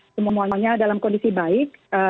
semuanya dalam kondisi baik